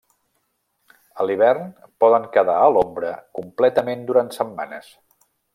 A l’hivern poden quedar a l'ombra completament durant setmanes.